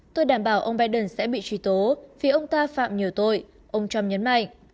tôi đảm bảo ông biden sẽ bị truy tố vì ông ta phạm nhiều tội ông trump nhấn mạnh